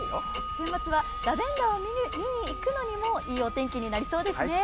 週末はラベンダーを見に行くのにもいいお天気になりそうですね。